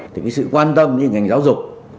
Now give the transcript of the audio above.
thì cái sự quan tâm như ngành giáo dục